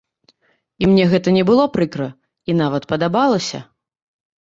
І мне гэта не было прыкра і нават падабалася.